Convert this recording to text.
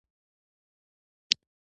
په شپږو میاشتو کې یې ټوله سیمه ونیوله.